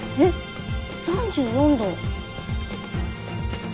３４度。